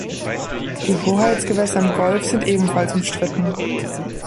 Die Hoheitsgewässer im Golf sind ebenfalls umstritten.